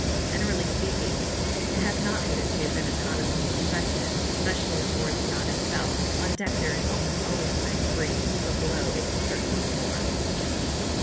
Generally speaking, it has not hitherto been as hot as we expected, especially on board the yacht itself. On deck there is almost always a nice breeze, but below it is certainly warm.